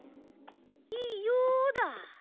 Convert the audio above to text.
いいよだ。